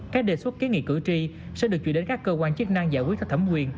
các đề xuất ký nghị cử tri sẽ được chuyển đến các cơ quan chức năng giải quyết các thẩm quyền